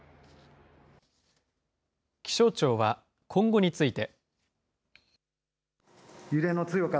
気象庁は今後について。